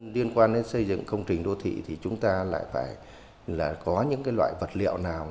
liên quan đến xây dựng công trình đô thị thì chúng ta lại phải là có những loại vật liệu nào